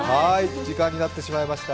時間になってしまいました。